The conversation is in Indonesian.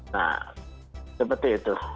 nah seperti itu